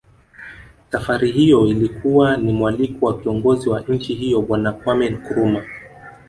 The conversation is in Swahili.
Safari hiyo ilikuwa ni mwaliko wa kiongozi wa nchi hiyo Bwana Kwameh Nkrumah